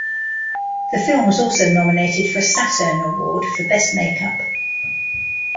The film was also nominated for a Saturn Award for Best Make-up.